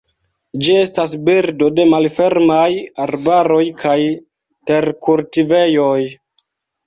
Ĝi estas birdo de malfermaj arbaroj kaj terkultivejoj.